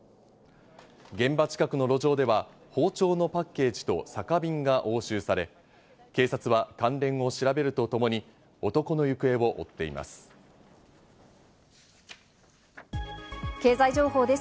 現場近くの路上では包丁のパッケージと酒瓶が押収され、警察は関連を調べるとともに、男の行方を追っています。